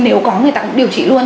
nếu có người ta cũng điều trị luôn